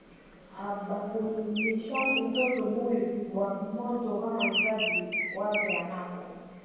Abakulishaki mtoto buyi bwa moto kama mzazi wake anako